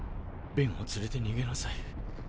ベンを連れて逃げなさい。